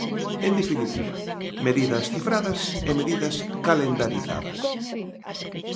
En definitiva, medidas cifradas e medidas calendarizadas.